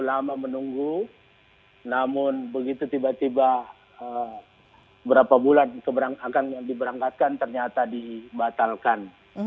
itu lama menunggu namun begitu tiba tiba berapa bulan akan diberangkatkan ternyata dibatalkan